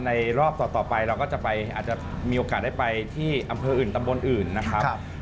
รอบต่อไปเราก็จะไปอาจจะมีโอกาสได้ไปที่อำเภออื่นตำบลอื่นนะครับ